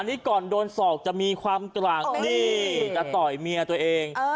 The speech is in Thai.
อันนี้ก่อนโดนศอกจะมีความกลางนี่จะต่อยเมียตัวเอง